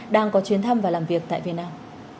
đang có chuyến thăm và làm việc tại việt nam